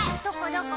どこ？